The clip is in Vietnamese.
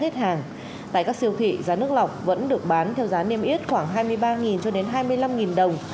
tại các siêu thị giá nước lọc vẫn được bán theo giá niêm yết khoảng hai mươi ba cho đến hai mươi năm đồng